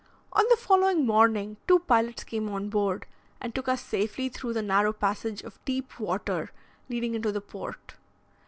On the following morning two pilots came on board and took us safely through the narrow passage of deep water leading into the port.